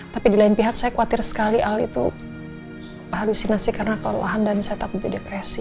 tapi di lain pihak saya khawatir sekali al itu harusinasi karena kelelahan dan saya takut itu depresi